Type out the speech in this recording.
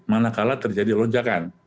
manakala terjadi lonjakan